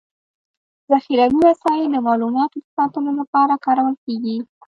ذخيروي وسایل د معلوماتو د ساتلو لپاره کارول کيږي.